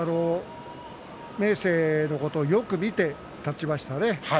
明生のことをよく見て立ちましたね。